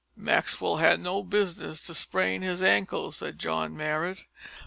"Maxwell had no business to sprain his ankle," said John Marrot.